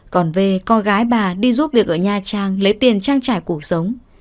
còn về coi gái bà đi giúp việc ở nha trang lấy tiền trang trải cuộc sống